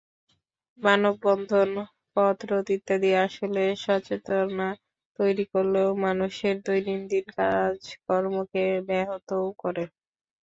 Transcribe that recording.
মানববন্ধন, পথরোধ ইত্যাদি আসলে সচেতনতা তৈরি করলেও মানুষের দৈনন্দিন কাজকর্মকে ব্যাহতও করে।